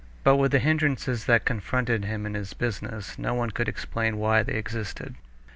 But with the hindrances that confronted him in his business, no one could explain why they existed.